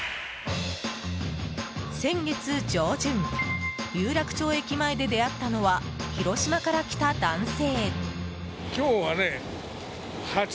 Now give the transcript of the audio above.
先月上旬、有楽町駅前で出会ったのは広島から来た男性。